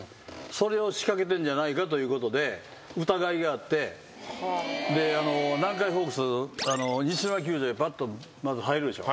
それを仕掛けてんじゃないかということで疑いがあって南海ホークス西宮球場へバッとまず入るでしょ？